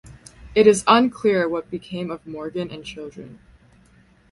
It is unclear what became of Morgan and children.